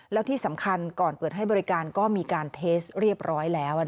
แล้วที่สำคัญก่อนเปิดให้บริการก็มีการเทสเรียบร้อยแล้ว